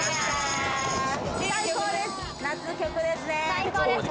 最高です。